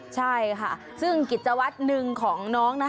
ใช่ค่ะซึ่งกิจวัตรหนึ่งของน้อง